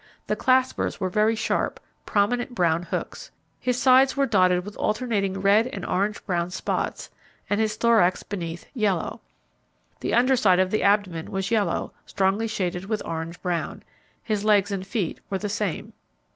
The claspers were very sharp, prominent brown hooks. His sides were dotted with alternating red and orangebrown spots, and his thorax beneath, yellow. The under side of the abdomen was yellow, strongly shaded with orange brown. His legs and feet were the same.